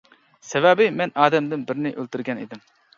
سەۋەبى مەن ئادەمدىن بىرنى ئۆلتۈرگەن ئىدىم.